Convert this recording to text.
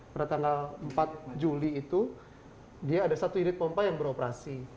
pada tanggal empat juli itu dia ada satu unit pompa yang beroperasi